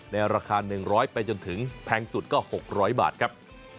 ราคา๑๐๐ไปจนถึงแพงสุดก็๖๐๐บาทครับ